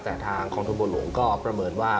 แต่ทางกองทุนบนหลวงก็ประเมินว่า